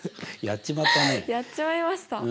やっちまいました。